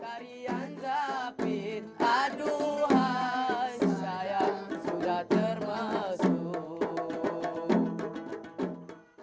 karyan zafin aduhan syair sudah termasuk